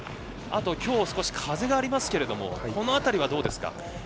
あと今日は少し風がありますがこの辺りはどうですか？